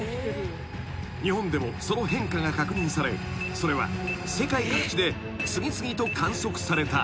［日本でもその変化が確認されそれは世界各地で次々と観測された］